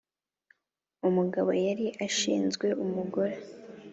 umugabo yari ashinzwe umugore